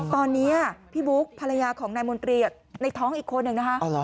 ตอนนี้พี่บุ๊คภรรยาของนายมนตรีในท้องอีกคนหนึ่งนะคะ